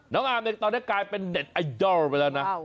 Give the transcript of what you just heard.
น้องอาร์มตอนนี้กลายเป็นเด็ดไอดอลไปแล้วนะ